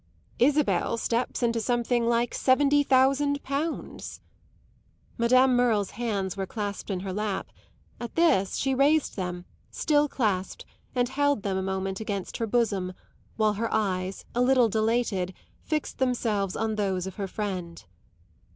"Isabel steps into something like seventy thousand pounds." Madame Merle's hands were clasped in her lap; at this she raised them, still clasped, and held them a moment against her bosom while her eyes, a little dilated, fixed themselves on those of her friend.